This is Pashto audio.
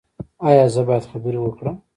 ایا زه باید خبرې وکړم؟